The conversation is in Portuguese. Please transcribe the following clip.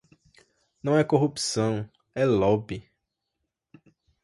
Não é corrupção, é lobby